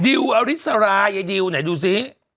ดิวอริสราดิวไหนดูสิ